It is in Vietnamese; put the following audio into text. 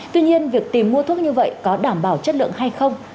tuy nhiên việc tìm mua thuốc như vậy có đảm bảo chất lượng hay không